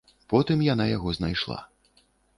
Потым яна яго знайшла.